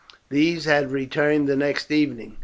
These had returned the next evening.